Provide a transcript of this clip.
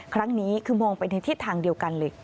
ครั้งนี้คือมองไปในทิศทางเดียวกันเลย